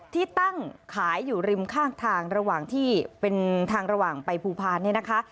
ที่ตั้งขายอยู่ริมข้างทางระหว่างที่เป็นทางระหว่างไปภูพาลเนี่ยนะคะ